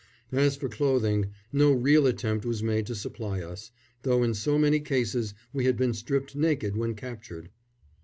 As for clothing, no real attempt was made to supply us, though in so many cases we had been stripped naked when captured.